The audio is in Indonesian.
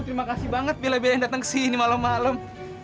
terima kasih banget bila belain datang kesini malam malam